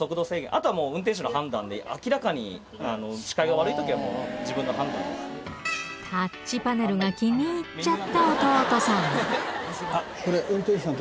あとは運転士の判断で、明らかに視界が悪いときは、もう自分の判タッチパネルが気に入っちゃった弟さん。